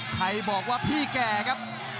ใครบอกว่าพี่แก่ครับ